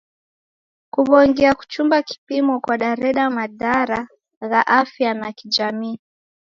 Kuw'ongia kuchumba kipimo kwadareda madhara gha afya na kijamii.